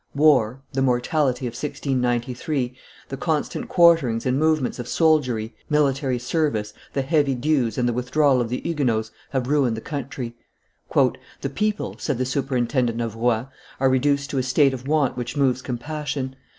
"War, the mortality of 1693, the, constant quarterings and movements of soldiery, military service, the heavy dues, and the withdrawal of the Huguenots have ruined the country." "The people," said the superintendent of Rouen, "are reduced to a state of want which moves compassion.